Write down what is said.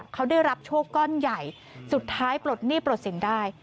เขาได้รับโชคก้อนใหญ่สุดท้ายปลดหนี้ปลดสินได้